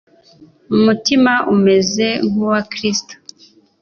umutima umeze nkuwa Kristo